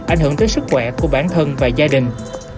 ảnh hưởng tới sức khỏe của bản thân và gia đình